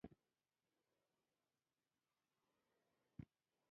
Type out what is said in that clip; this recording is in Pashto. حسینو په ځان کلک دی.